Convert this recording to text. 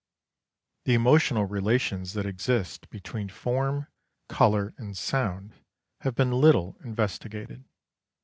The emotional relations that exist between form, colour, and sound have been little investigated.